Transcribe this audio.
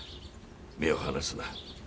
目を離すな。